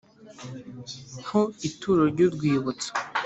Ho ituro ry urwibutso